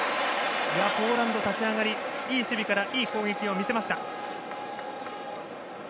ポーランドの立ち上がりいい守備からいい攻撃を見せました。